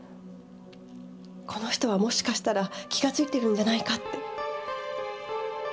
この人はもしかしたら気がついてるんじゃないかって。